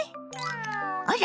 あら！